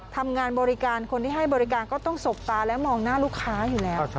ทำงานบริการคนที่ให้บริการก็ต้องสบตาและมองหน้าลูกค้าอยู่แล้ว